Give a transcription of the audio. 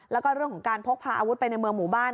แล้วก็เรื่องของการพกพาอาวุธไปในเมืองหมู่บ้าน